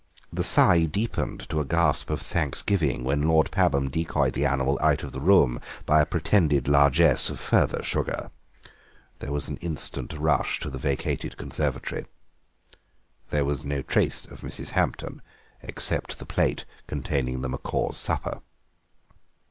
The sigh deepened to a gasp of thanks giving when Lord Pabham decoyed the animal out of the room by a pretended largesse of further sugar. There was an instant rush to the vacated conservatory. There was no trace of Mrs. Hampton except the plate containing the macaws' supper.